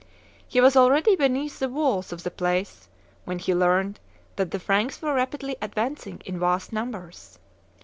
He was already beneath the walls of the place when he learned that the Franks were rapidly advancing in vast numbers.